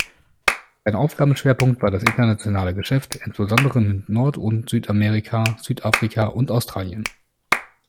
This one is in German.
Sein Aufgabenschwerpunkt war das internationale Geschäft, insbesondere mit Nord- und Südamerika, Südafrika und Australien.